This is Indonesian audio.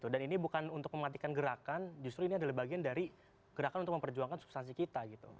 dan ini bukan untuk mematikan gerakan justru ini adalah bagian dari gerakan untuk memperjuangkan substansi kita